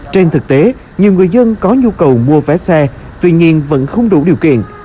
trên thực tế nhiều người dân có nhu cầu mua vé xe tuy nhiên vẫn không đủ điều kiện